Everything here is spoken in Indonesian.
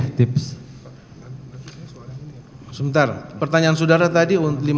sebentar pertanyaan saudara tadi